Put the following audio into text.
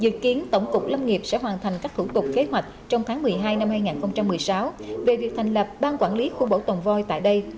dự kiến tổng cục lâm nghiệp sẽ hoàn thành các thủ tục kế hoạch trong tháng một mươi hai năm hai nghìn một mươi sáu về việc thành lập ban quản lý khu bảo tồn voi tại đây